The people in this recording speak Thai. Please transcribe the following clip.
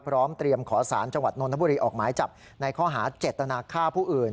พร้อมเตรียมขอสารจังหวัดนทบุรีออกหมายจับในข้อหาเจตนาฆ่าผู้อื่น